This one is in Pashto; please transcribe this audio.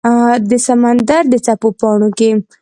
د سمندردڅپو پاڼو کې